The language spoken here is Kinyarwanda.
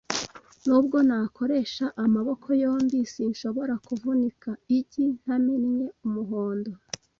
Nubwo nakoresha amaboko yombi, sinshobora kuvunika igi ntamennye umuhondo .